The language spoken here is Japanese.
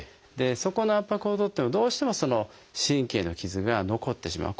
そこの圧迫を取ってもどうしてもその神経の傷が残ってしまう。